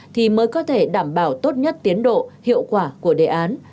thì mới có thể đảm bảo tốt nhất tiến độ hiệu quả của đề án